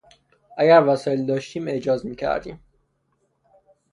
اگر وسایل داشتیم اعجاز میکردیم.